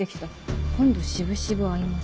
今度しぶしぶ会います」。